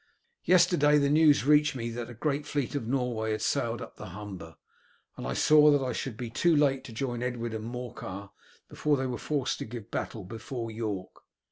Yesterday the news reached me that the great fleet of Norway had sailed up the Humber, and I saw that I should be too late to join Edwin and Morcar before they were forced to give battle before York.